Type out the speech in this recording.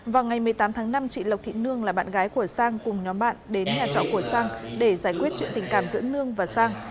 vào ngày một mươi tám tháng năm chị lộc thị nương là bạn gái của sang cùng nhóm bạn đến nhà trọ của sang để giải quyết chuyện tình cảm giữa nương và sang